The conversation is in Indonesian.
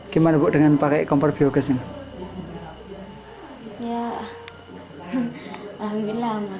gimana bu dengan pakai kompor biogas ini